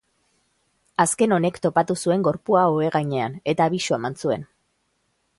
Azken honek topatu zuen gorpua ohe gainean eta abisua eman zuen.